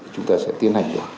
chúng ta sẽ tiến hành được